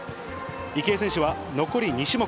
池江選手は残り２種目。